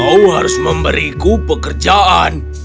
kau harus memberiku pekerjaan